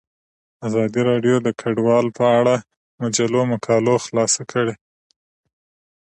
ازادي راډیو د کډوال په اړه د مجلو مقالو خلاصه کړې.